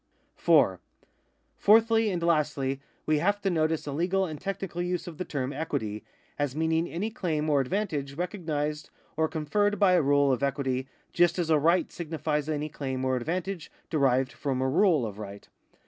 4. Fourthly and lastly we have to notice a legal and technical use of the term equity, as meaning any claim or advantage recognised or con ferred by a rule of equity, just as a right signifies any claim or advantage derived from a rule of right.